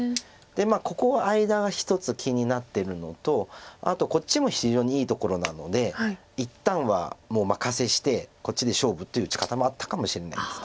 でここ間が一つ気になってるのとあとこっちも非常にいいところなので一旦はもうお任せしてこっちで勝負っていう打ち方もあったかもしれないです。